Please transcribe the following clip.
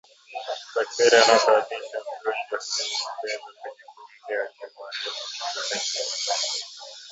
Bakteria wanaosababisha ugonjwa huu hubebwa kwenye pumzi ya wanyama walioambukizwa kwa njia ya matone